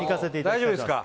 大丈夫ですか？